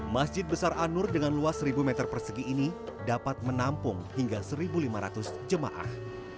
masjid besar anur dengan luas seribu meter persegi ini dapat menampung hingga satu lima ratus jemaah